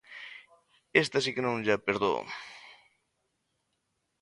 Esta si que non lla perdóo!